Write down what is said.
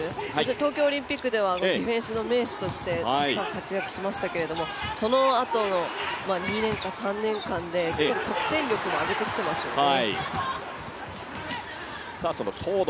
東京オリンピックではディフェンスの名手として活躍しましたけれどもそのあとの２年か３年間でしっかり得点力も上げてきていますよね。